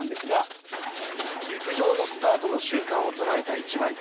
陸上のスタートの瞬間を捉えた一枚